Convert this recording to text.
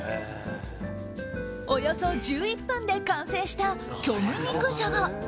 およそ１１分で完成した虚無肉じゃが。